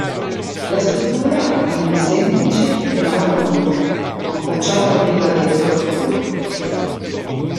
La struttura ha linee semplici e navata unica, con facciata priva di decorazioni.